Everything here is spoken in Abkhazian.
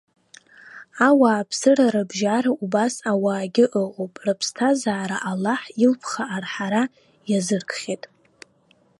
Ауааԥсыра рыбжьара убас ауаагьы ыҟоуп, рыԥсҭазаара Аллаҳ илԥха арҳара иазыркхьеит.